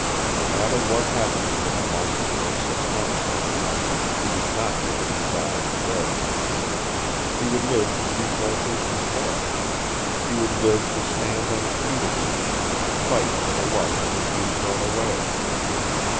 No matter what happened to him a month or six months from now, he was not going to die today. He would live to receive Mercer's report. He would live to stand on his feet again and to fight for the life which he had thrown away.